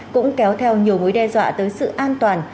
cũng kéo theo nhiều mối đe dọa tới sự an toàn